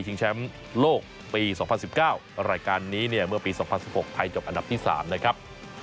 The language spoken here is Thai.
แชมป์โลกปี๒๐๑๙รายการนี้เนี่ยเมื่อปี๒๐๑๖ไทยจบอันดับที่๓นะครับ